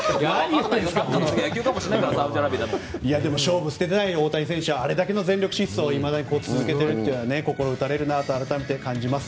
でも勝負捨ててない大谷選手はあれだけの全力疾走をいまだに続けているというのは心を打たれると感じます。